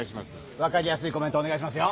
わかりやすいコメントおねがいしますよ。